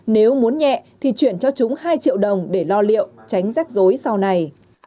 nếu muốn nhẹ thì chuyển cho chúng hai triệu đồng để lo liệu tránh rách rối sau này